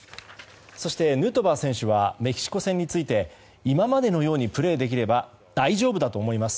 そして、ヌートバー選手はメキシコ戦について今までのようにプレーできれば大丈夫だと思います。